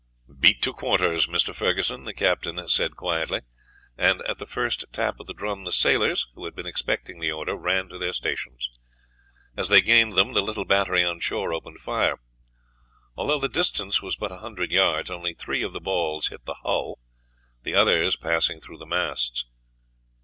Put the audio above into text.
"Beat to quarters, Mr. Ferguson," the Captain said quietly, and at the first tap of the drum the sailors, who had been expecting the order, ran to their stations. As they gained them the little battery on shore opened fire. Although the distance was but a hundred yards, only three of the balls hit the hull, the others passing through the masts.